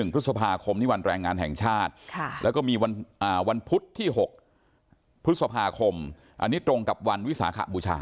พฤษภาคมนี่วันแรงงานแห่งชาติแล้วก็มีวันพุธที่๖พฤษภาคมอันนี้ตรงกับวันวิสาขบูชา